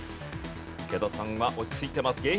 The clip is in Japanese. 池田さんは落ち着いています。